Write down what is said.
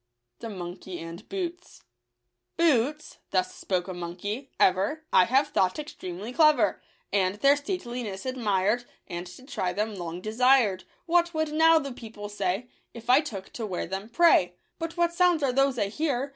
~"inr Digitized by Google " Boots," thus spoke a monkey, " ever I have thought extremely clever ; And their stateliness admired, And to try them long desired. What would now the people say, If I took to wear them, pray ?— But what sounds are those I hear